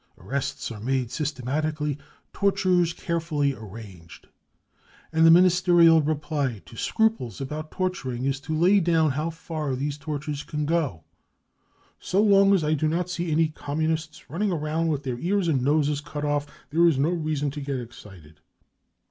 Arrests are made systematically, tortures carefully arranged. And the Ministerial reply to scruples about torturing is to lay down how far these tortures can go :" So long as I do not see any Communists running round with their ears and noses cut off there is no reason to get excited."